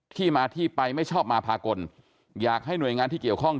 ที่มาที่ไปไม่ชอบมาพากลอยากให้หน่วยงานที่เกี่ยวข้อง